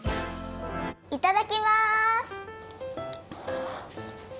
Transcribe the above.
いただきます！